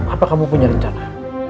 apa kamu punya rencana